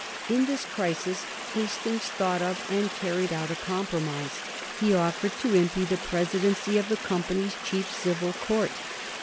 In this crisis Hastings thought of and carried out a compromise. He offered to Impey the presidency of the Company's chief civil court.